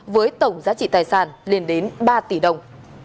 với tổng giá trị tài sản lên đến ba tỷ đồng